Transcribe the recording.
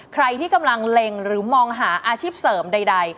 ใครที่กำลังเล็งหรือมองหาอาชีพเสริมใด